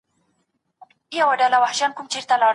پوښتنه وکړئ چي زه څنګه بریالی سم.